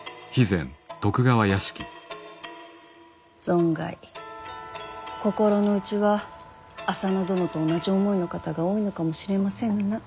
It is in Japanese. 存外心の内は浅野殿と同じ思いの方が多いのかもしれませぬな。